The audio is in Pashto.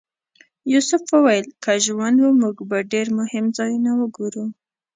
یوسف وویل که ژوند و موږ به ډېر مهم ځایونه وګورو.